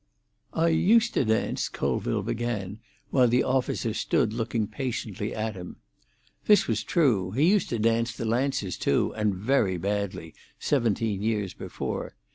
"I used to dance," Colville began, while the officer stood looking patiently at him. This was true. He used to dance the Lancers, too, and very badly, seventeen years before.